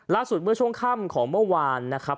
เมื่อช่วงค่ำของเมื่อวานนะครับ